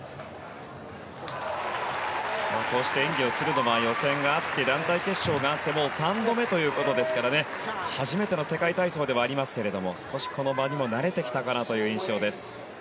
こうして演技をするのは予選があって、団体決勝があって３度目ということですから初めての世界体操ではありますが少し、この場にも慣れてきたかなという印象です。